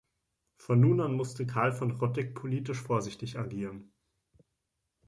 Von nun an musste Karl von Rotteck politisch vorsichtig agieren.